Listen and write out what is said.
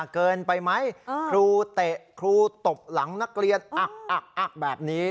เกินไปไหมครูตกหลังนักเรียนแบบนี้